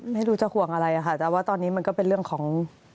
ไม่รู้จะห่วงอะไรค่ะแต่ว่าตอนนี้มันก็เป็นเรื่องของ